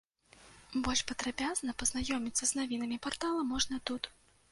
Больш падрабязна пазнаёміцца з навінамі партала можна тут.